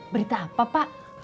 berita apa pak